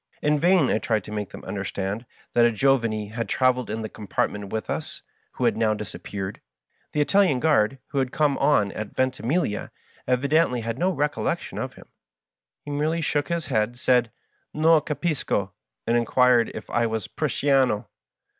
In vain I tried to make them understand that a"giovane" had traveled in the compartment with us Digitized by VjOOQIC MY FASOINATING FBIEND. 149 who had now disappeared. The Italian guard, who had come on at Ventimiglia, evidently had no recollection of him. He merely shook his head, said "Non capisco," and inquired if I was " Prussiano."